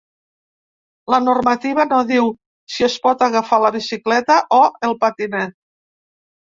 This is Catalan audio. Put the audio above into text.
La normativa no diu si es pot agafar la bicicleta o el patinet.